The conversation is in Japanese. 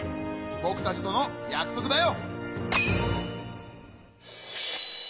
ぼくたちとのやくそくだよ！